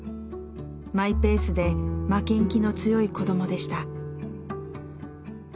マイペースで負けん気の強い子どもでした。